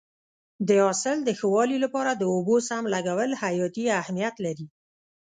د حاصل د ښه والي لپاره د اوبو سم لګول حیاتي اهمیت لري.